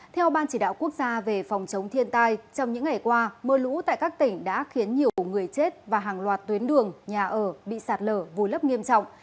theo ban chỉ đạo quốc gia về phòng chống thiên tai trong những ngày qua mưa lũ tại các tỉnh đã khiến nhiều người chết và hàng loạt tuyến đường nhà ở bị sạt lở vùi lấp nghiêm trọng